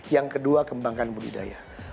yang kedua kembangkan budidaya